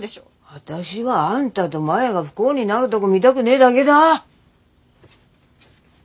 私はあんたとマヤが不幸になるどこ見だくねだけだ。